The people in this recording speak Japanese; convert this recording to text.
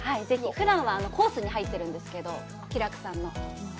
ふだんはコースに入っているんですけど、きらくさんの。